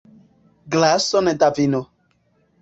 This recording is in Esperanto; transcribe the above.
Glason da vino.